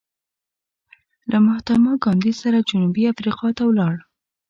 له مهاتما ګاندې سره جنوبي افریقا ته ولاړ.